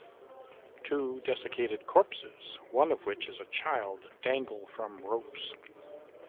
Two desiccated corpses, one of which is a child, dangle from ropes.